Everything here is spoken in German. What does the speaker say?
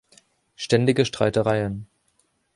Ständige Streitereien